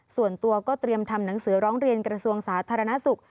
ส่วนตัวก็เตรียมทำหนังสือร้องเรียนกระทรวงสาธารณสุข